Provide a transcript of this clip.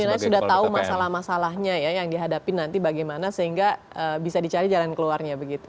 jadi dia sudah tahu masalah masalahnya ya yang dihadapi nanti bagaimana sehingga bisa dicari jalan keluarnya begitu